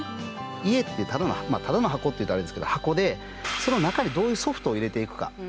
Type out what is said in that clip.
家ってただの箱って言ったらあれですけど箱でその中にどういうソフトを入れていくか。